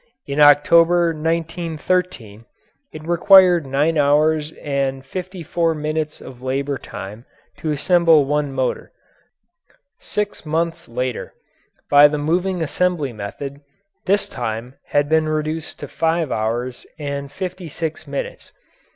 In October, 1913, it required nine hours and fifty four minutes of labour time to assemble one motor; six months later, by the moving assembly method, this time had been reduced to five hours and fifty six minutes.